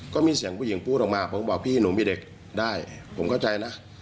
ก็มีเสียงผู้หญิงพูดออกมาผมก็บอกพี่หนูมีเด็กได้ผมเข้าใจนะ